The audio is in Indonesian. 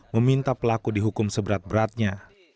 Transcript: meminta pelaku dihukum seberat beratnya